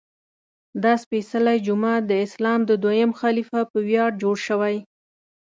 دا سپېڅلی جومات د اسلام د دویم خلیفه په ویاړ جوړ شوی.